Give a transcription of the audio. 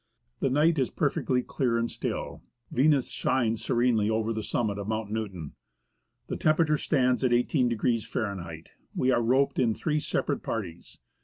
The night is perfectly clear and still ; Venus shines serenely over the summit of Mount Newton. The temperature stands at i8° Fahr. We are roped in three separate parties.